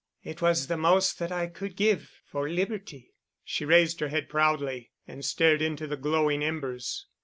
It was the most that I could give—for Liberty...." She raised her head proudly, and stared into the glowing embers.